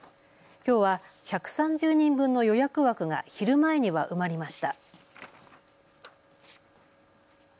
きょうは１３０人分の予約枠が昼前には埋まりました。